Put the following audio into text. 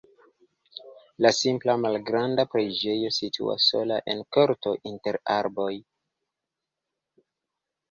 La simpla malgranda preĝejo situas sola en korto inter arboj.